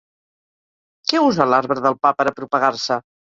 Què usa l'arbre del pa per a propagar-se?